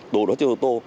đồ đó chứa ô tô